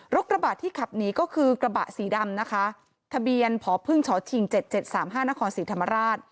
รถกระบะที่ขับหนีก็คือกระบะสีดำนะคะทะเบียนพพชชิงเจ็ดเจ็ดสามห้านครศรีธรรมราช